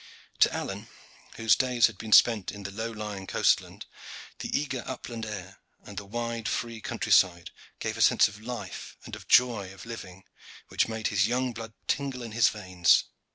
To Alleyne whose days had been spent in the low lying coastland, the eager upland air and the wide free country side gave a sense of life and of the joy of living which made his young blood tingle in his veins.